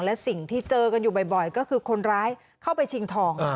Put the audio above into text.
และสิ่งที่เจอกันอยู่บ่อยก็คือคนร้ายเข้าไปชิงทอง